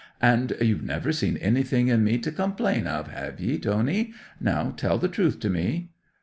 '"And you've never seen anything in me to complain of, have ye, Tony? Now tell the truth to me?"